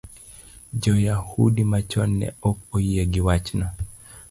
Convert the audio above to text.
jo-Yahudi machon ne ok oyie gi wachno.